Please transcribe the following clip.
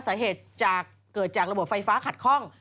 สาเหตุเกิดจากระบบไฟฟ้าขัดข้อง